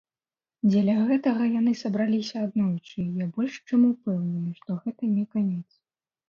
Дзеля гэтага яны сабраліся аднойчы, і я больш чым упэўнены, што гэта не канец.